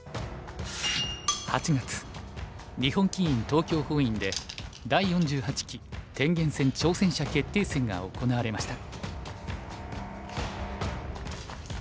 東京本院で第４８期天元戦挑戦者決定戦が行われました。